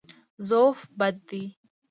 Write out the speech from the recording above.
ضعف بد دی.